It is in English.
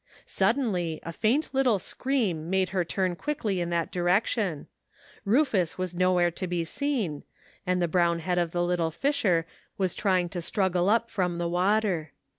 Suddenly a faint little scream made her turn quickly in that direction. Rufus was nowhere to be se*en, and the brown head of the little fisher was trying to* struggle up from the water.